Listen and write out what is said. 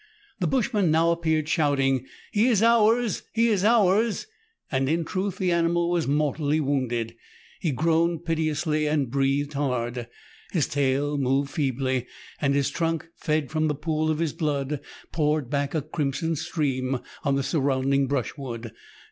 The bushman now appeared, shouting, " He is ours, he is ours!" And in truth the animal was mortally wounded. He groaned piteously, and breathed hard. His tail moved feebly, and his trunk, fed from the pool of his blood, poured back a crimson stream on the surrounding brushwood.